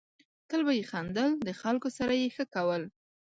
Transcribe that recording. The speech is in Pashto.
تل به یې خندل ، د خلکو سره یې ښه کول.